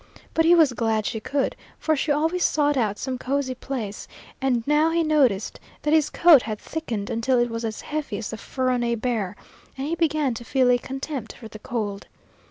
But he was glad she could, for she always sought out some cosy place; and now he noticed that his coat had thickened until it was as heavy as the fur on a bear, and he began to feel a contempt for the cold.